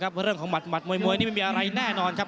เพราะเรื่องของหมัดมวยนี่ไม่มีอะไรแน่นอนครับ